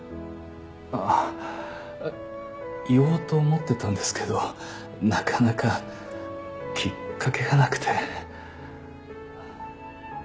ああ言おうと思ってたんですけどなかなかきっかけがなくて。